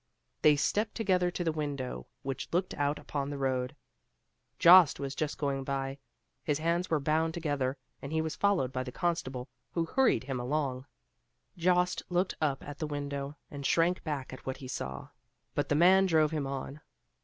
They stepped together to the window which looked out upon the road. Jost was just going by. His hands were bound together, and he was followed by the Constable, who hurried him along. Jost looked up at the window and shrank back at what he saw; but the man drove him on.